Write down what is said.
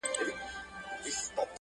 څوك به بولي له آمو تر اباسينه٫